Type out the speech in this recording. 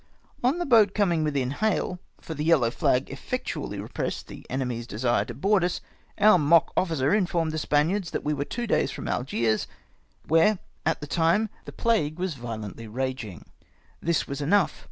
On the boat coming within hail, — for the yellow flag efiectually repressed the enemy's desire to board us — our mock officer informed the Spaniards that we were two days from Algiers, where at the time the plague was \iolently raging. This was enough.